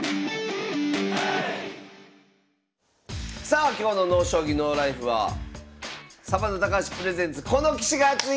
さあ今日の「ＮＯ将棋ＮＯＬＩＦＥ」はサバンナ「高橋プレゼンツ